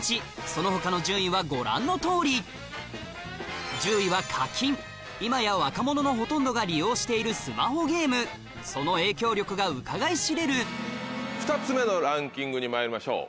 その他の順位はご覧のとおり今や若者のほとんどが利用しているスマホゲームその影響力がうかがい知れる２つ目のランキングにまいりましょう。